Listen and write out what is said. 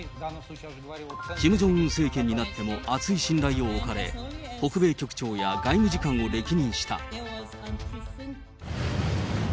キム・ジョンウン政権になっても厚い信頼を置かれ、北米局長や外務次官を歴任した。